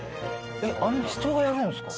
人がやるんですか？